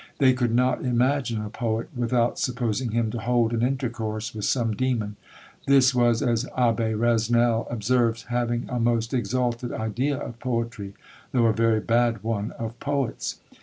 They could not imagine a poet, without supposing him to hold an intercourse with some demon. This was, as Abbé Resnel observes, having a most exalted idea of poetry, though a very bad one of poets.